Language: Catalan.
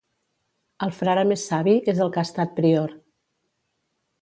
El frare més savi és el que ha estat prior.